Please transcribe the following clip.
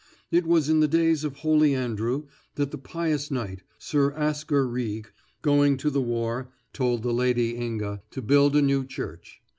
It was in the days of Holy Andrew that the pious knight, Sir Asker Ryg, going to the war, told the lady Inge to build a new church.